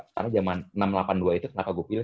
karena jaman enam delapan dua itu kenapa gue pilih